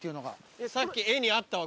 さっき絵にあったわ